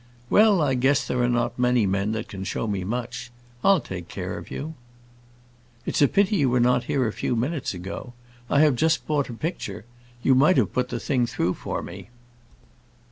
"Well, I guess there are not many men that can show me much. I'll take care of you." "It's a pity you were not here a few minutes ago. I have just bought a picture. You might have put the thing through for me."